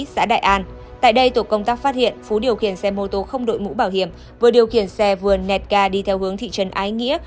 xã đại an tại đây tổ công tác phát hiện phú điều khiển xe mô tô không đội mũ bảo hiểm vừa điều khiển xe vừa nẹt ca đi theo hướng thị trấn ái nghĩa